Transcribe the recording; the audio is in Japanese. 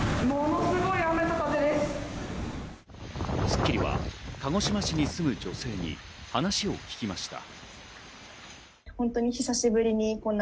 『スッキリ』は鹿児島市に住む女性に話を聞きました。